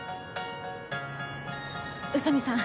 宇佐美さん